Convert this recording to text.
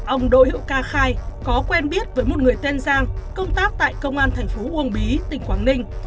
ông đỗ hữu ca khai có quen biết với một người tên giang công tác tại công an thành phố uông bí tỉnh quảng ninh